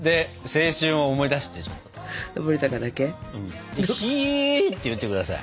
でひーって言って下さい。